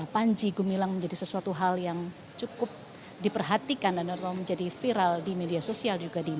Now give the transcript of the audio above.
paling sedikit ada empat sembilan ratus delapan puluh lima